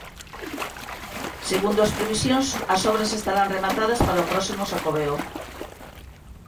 Segundo as previsións, as obras estarán rematadas para o próximo Xacobeo.